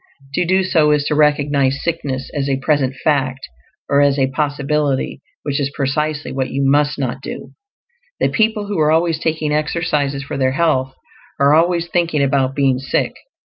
To do so is to recognize sickness as a present fact or as a possibility, which is precisely what you must not do_. The people who are always taking exercises for their health are always thinking about being sick.